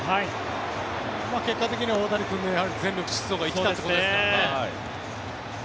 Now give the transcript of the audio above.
結果的には大谷君の全力疾走が生きたところですね。